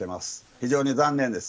非常に残念です。